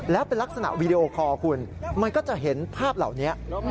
แล้วเป็นลักษณะวีดีโอคอร์คุณมันก็จะเห็นภาพเหล่านี้